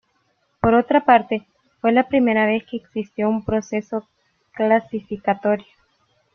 Por otra parte, fue la primera vez que existió un proceso clasificatorio.